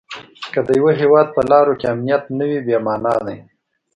که د یوه هیواد په لارو کې امنیت نه وي بې مانا ده.